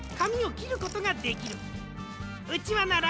うちわなら！？